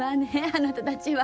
あなたたちは。